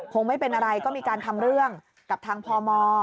คงไม่เป็นอะไรก็มีการทำเรื่องกับทางพม